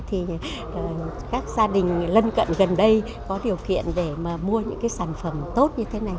thì các gia đình lân cận gần đây có điều kiện để mà mua những cái sản phẩm tốt như thế này